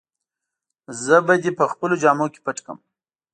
زه به دي په خپلو جامو کي پټ کړم.